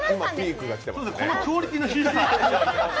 このクオリティーの新鮮さ。